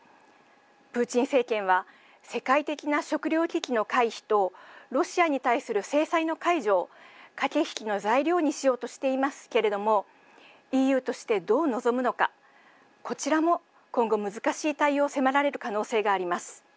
プーチン政権は世界的な食糧危機の回避とロシアに対する制裁の解除を駆け引きの材料にしようとしていますけれどもＥＵとして、どう臨むのかこちらも今後、難しい対応を迫られる可能性があります。